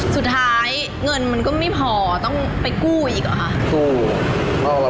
สุดท้ายเงินมันก็ไม่พอต้องไปกู้อีกเหรอคะ